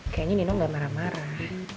kayanya nino gak marah marah